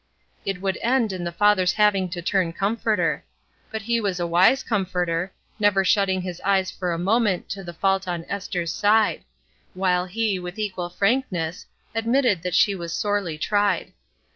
It would end in the father's having to turn comforter. But he was a wise comforter, never JORAM PRATT 47 shutting his eyes for a moment to the fault on Esther's side; while he, with equal frankness, admitted that she was sorely tried.